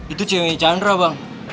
itu ceweknya chandra bang